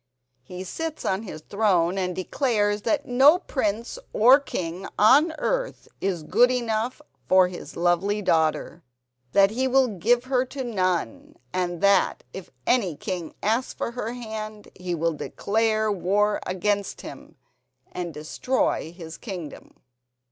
He sits on his throne and declares that no prince or king on earth is good enough for his lovely daughter, that he will give her to none, and that if any king asks for her hand he will declare war against him and destroy his kingdom."